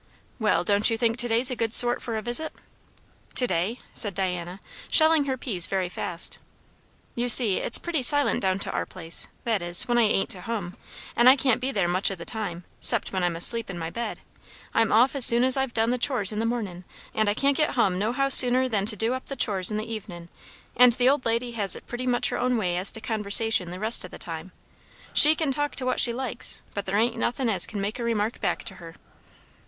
"Well, don't you think to day's a good sort for a visit?" "To day?" said Diana, shelling her peas very fast. "You see, it's pretty silent down to our place. That is, when I ain't to hum; and I can't be there much o' the time, 'cept when I'm asleep in my bed. I'm off as soon as I've done the chores in the mornin'; and I can't get hum nohow sooner than to do up the chores in the evenin'; and the old lady has it pretty much her own way as to conversation the rest o' the time. She can talk to what she likes; but there ain't nothin' as can make a remark back to her."